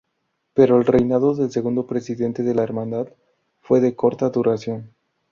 Pero el reinado del segundo presidente de la hermandad fue de corta duración.